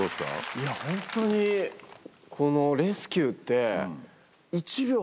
いやホントにこのレスキューって。